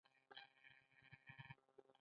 سخت زړي انسانان د متحجر فرهنګ زېږنده دي.